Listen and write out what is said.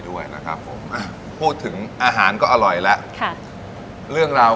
ด้วยนะครับผมอ่ะพูดถึงอาหารก็อร่อยแล้วค่ะเรื่องราว